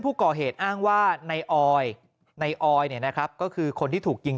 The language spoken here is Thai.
ผู้ก่อเหตุอ้างว่าในออยในออยก็คือคนที่ถูกยิง